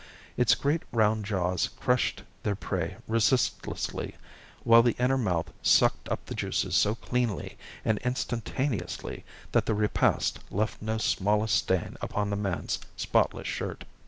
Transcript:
Its great round jaws crushed their prey resistlessly, while the inner mouth sucked up the juices so cleanly and instantaneously that the repast left no smallest stain upon the man's spotless shirt.